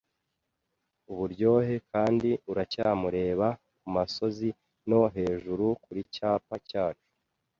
uburyohe kandi uracyamureba kumasozi no hejuru kuricyapa cyacu.